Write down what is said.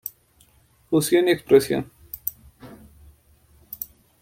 Fusión y Expresión.